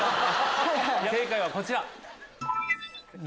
正解はこちら。